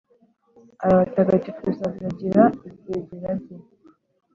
arabatagatifuza, abagira ibyegera bye,